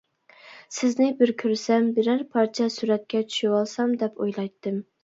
سىزنى بىر كۆرسەم، بىرەر پارچە سۈرەتكە چۈشىۋالسام، دەپ ئويلايتتىم.